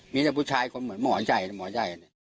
มีแต่ผู้ชายเหมือนหมอใจหมอใจ